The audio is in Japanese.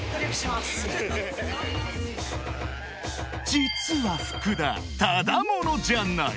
［実は福田ただ者じゃない］